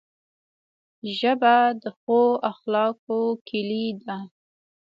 ژبه د ښو اخلاقو کلۍ ده